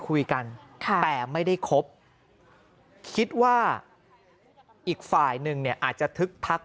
คุยกันแต่ไม่ได้คบคิดว่าอีกฝ่ายหนึ่งเนี่ยอาจจะทึกทัก